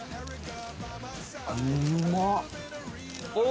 うんまっ！